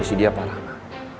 ini si dia parah mak